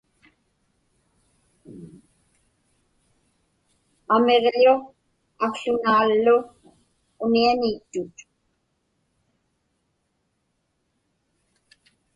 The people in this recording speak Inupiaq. Amiġḷu akłunaallu unianiittut.